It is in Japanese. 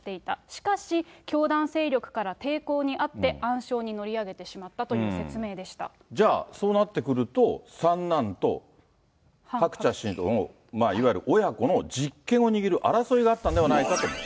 しかし、教団勢力から抵抗にあって、暗礁に乗り上げてしまったという説明じゃあ、そうなってくると、三男とハクチャ氏と、いわゆる親子の実権を握る争いがあったんではないかと。